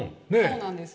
そうなんです。